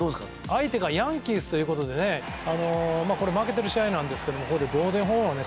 相手がヤンキースという事でねこれ負けてる試合なんですけどもここで同点ホームランをね